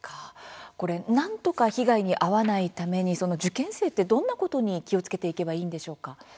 なんとか被害に遭わないために受験生って、どんなことに気をつけていけばいいんでしょうか？